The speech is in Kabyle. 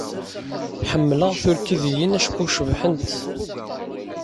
Ḥemmleɣ turkidiyin acku cebḥent.